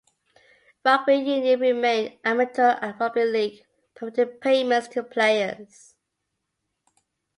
Rugby union remained amateur and rugby league permitted payments to players.